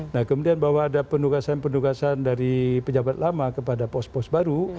nah kemudian bahwa ada penugasan pendugasan dari pejabat lama kepada pos pos baru